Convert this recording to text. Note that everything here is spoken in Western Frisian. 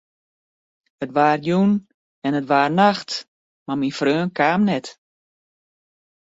It waard jûn en it waard nacht, mar myn freon kaam net.